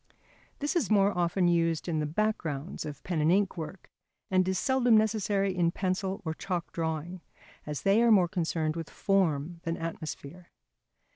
This is more often used in the backgrounds of pen and ink work and is seldom necessary in pencil or chalk drawing, as they are more concerned with form than atmosphere.